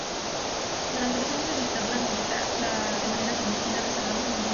Durante los años de dictadura milita de manera clandestina, reservando su identidad.